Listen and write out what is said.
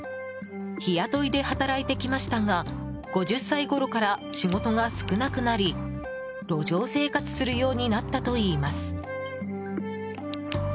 日雇いで働いてきましたが５０歳ごろから仕事が少なくなり路上生活するようになったといいます。